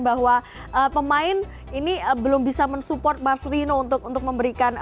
bahwa pemain ini belum bisa mensupport marcelino untuk memberikan